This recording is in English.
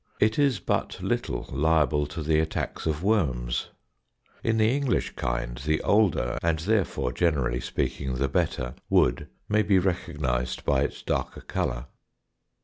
It is but little liable to the attacks of worms. In the English kind, the older (and therefore, generally speaking, the better) wood may be recognised by its darker colour.